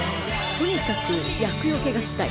とにかく厄よけがしたい。